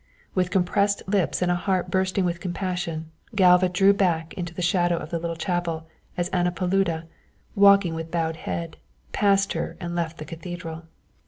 With compressed lips and a heart bursting with compassion Galva drew back into the shadow of a little chapel as Anna Paluda, walking with bowed head, passed her and left the cathedral.